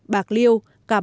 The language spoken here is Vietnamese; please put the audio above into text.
bạc liêu cà mạc